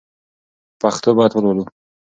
پښتو باید ولولو